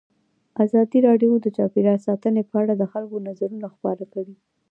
ازادي راډیو د چاپیریال ساتنه په اړه د خلکو نظرونه خپاره کړي.